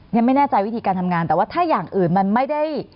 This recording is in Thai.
ยังไม่แน่ใจวิธีการทำงานแต่ว่าถ้าอย่างอื่นมันไม่ได้